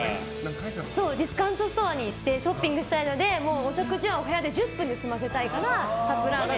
ディスカウントストアに行ってショッピングしたいのでお食事はお部屋で１０分で済ませたいからカップラーメン。